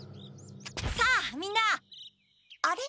さあみんなあれ？